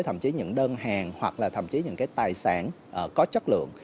thậm chí những đơn hàng hoặc là thậm chí những cái tài sản có chất lượng